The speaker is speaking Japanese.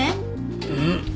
うん？